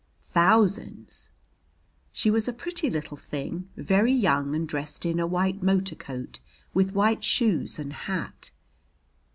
"Thousands." She was a pretty little thing, very young, and dressed in a white motor coat with white shoes and hat.